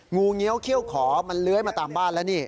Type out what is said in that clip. งูเงี้ยวเขี้ยวขอมันเลื้อยมาตามบ้านแล้วนี่